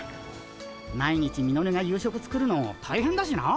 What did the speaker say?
毎日ミノルが夕食作るの大変だしな。